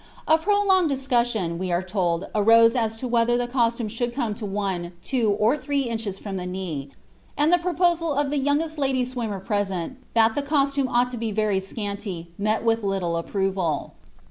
(A prolonged discussion, we are told, arose as to whether the costume should come to one, two, or three inches from the knee, and the proposal of the youngest lady swimmer present, that the costume ought to be very scanty, met with little approval.)